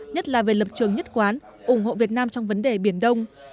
nhất là về lập trường nhất quán ủng hộ việt nam trong vấn đề biển đông